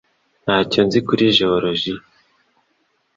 Ntacyo nzi kuri geologiya